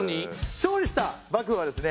勝利した幕府はですね